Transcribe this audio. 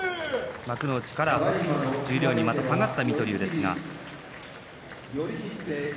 幕内からまた下がった水戸龍ですが。